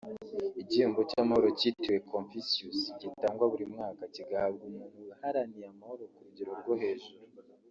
Igihembo cy’amahoro cyitiriwe Confucius gitangwa buri mwaka kigahabwa umuntu waharaniye amahoro ku rugero rwo hejuru